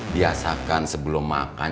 biasakan sebelum makan